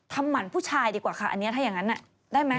หมั่นผู้ชายดีกว่าค่ะอันนี้ถ้าอย่างนั้นได้ไหม